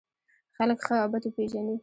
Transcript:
خلک ښه او بد وپېژني.